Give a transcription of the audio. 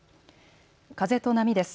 風と波です。